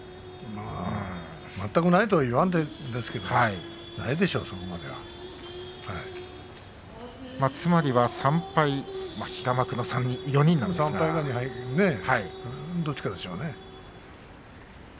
全くないとは言わんですけどつまりは３敗３敗のどっちかでしょうね。